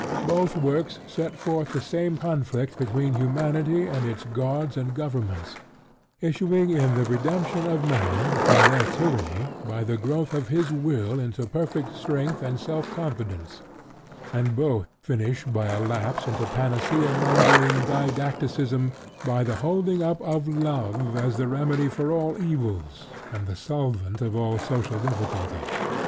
Both works set forth the same conflict between humanity and its gods and governments, issuing in the redemption of man from their tyranny by the growth of his will into perfect strength and self confidence; and both finish by a lapse into panacea mongering didacticism by the holding up of Love as the remedy for all evils and the solvent of all social difficulties.